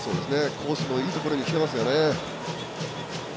コースもいいところにきていますよね。